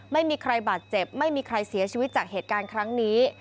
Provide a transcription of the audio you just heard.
ไม่มีใครบาดเจ็บไม่มีใครเสียชีวิตจากเหตุการณ์ครั้งนี้